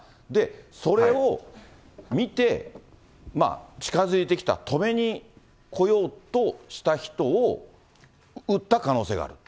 それを見て、近づいてきた止めにこようとした人を撃った可能性がある。